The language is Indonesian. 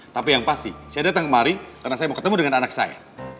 tapi yang pasti saya datang kemari karena saya mau ketemu dengan anak saya